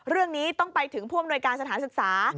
เรื่องนี้ต้องไปถึงผู้อำนวยการสถานศึกษา